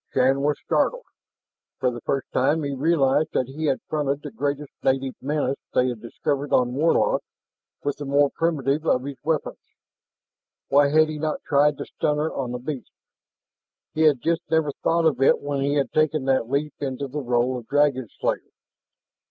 Shann was startled. For the first time he realized that he had fronted the greatest native menace they had discovered on Warlock with the more primitive of his weapons. Why had he not tried the stunner on the beast? He had just never thought of it when he had taken that leap into the role of dragon slayer.